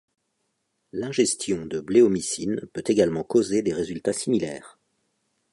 L'ingestion de bléomycine peut également causer des résultats similaires.